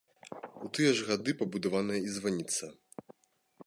У тыя ж гады пабудаваная і званіца.